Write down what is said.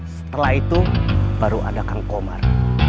setelah itu baru ada kang komar